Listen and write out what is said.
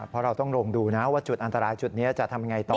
เพราะเราต้องลงดูนะว่าจุดอันตรายจุดนี้จะทำยังไงต่อ